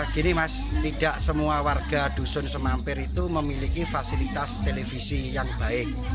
gini mas tidak semua warga dusun semampir itu memiliki fasilitas televisi yang baik